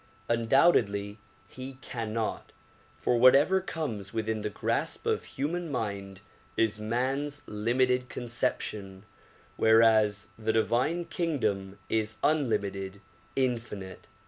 Undoubtedly he cannot, for whatever comes within the grasp of human mind is man 's lim ited conception whereas the divine kingdom is unlimited, infinite.